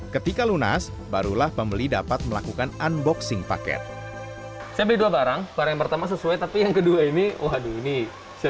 ketika lunas barulah pembeli bisa membeli barang yang diterima